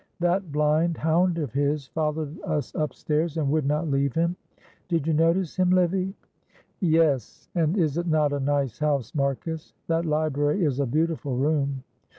That blind hound of his followed us upstairs and would not leave him. Did you notice him, Livy?" "Yes; and is it not a nice house, Marcus? That library is a beautiful room.